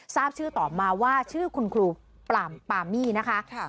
ทราบชื่อต่อมาว่าชื่อคุณครูปามี่นะคะ